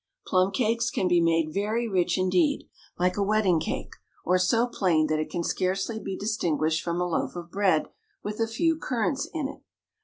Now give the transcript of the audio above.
Plum cakes can be made very rich indeed, like a wedding cake, or so plain that it can scarcely be distinguished from a loaf of bread with a few currants in it.